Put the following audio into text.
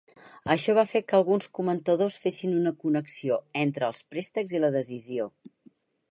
Això va fer que alguns comentadors fessin una connexió entre els préstecs i la decisió.